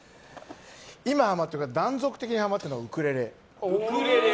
今というか断続的にハマってるのはウクレレ。